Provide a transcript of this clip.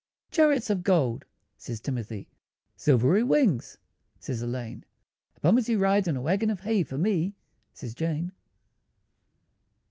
"Chariots of gold," says Timothy; "Silvery wings," says Elaine; "A bumpity ride in a waggon of hay For me," says Jane.